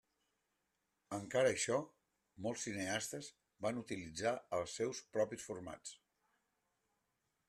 Encara això, molts cineastes van utilitzar els seus propis formats.